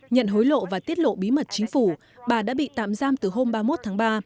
nhận hối lộ và tiết lộ bí mật chính phủ bà đã bị tạm giam từ hôm ba mươi một tháng ba